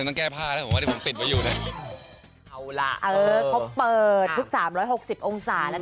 น่ารักมากน่ารักมากน่ารักมากน่ารักมากน่ารักมากน่ารักมากน่ารักมากน่ารักมาก